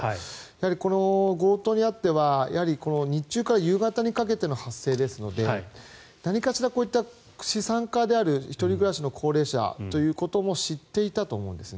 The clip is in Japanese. この強盗に至っては日中から夕方にかけての発生ですから何かしらこういった資産家である１人暮らしの高齢者ということも知っていたと思うんですね。